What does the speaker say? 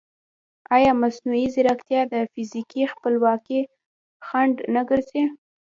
ایا مصنوعي ځیرکتیا د فرهنګي خپلواکۍ خنډ نه ګرځي؟